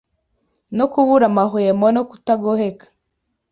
no kubura amahwemo no kutagoheka